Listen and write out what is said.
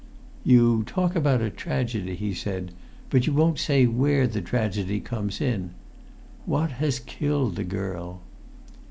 "You talk about a tragedy," he said, "but you won't say where the tragedy comes in. What has killed the girl?"